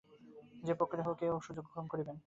যে প্রকারেই হউক এ সুযোগ অবশ্য গ্রহণ করিবেন।